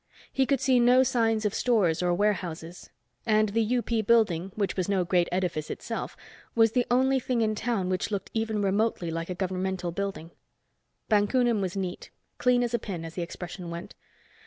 He could see no signs of stores or warehouses. And the UP building, which was no great edifice itself, was the only thing in town which looked even remotely like a governmental building. Bakunin was neat. Clean as a pin, as the expression went.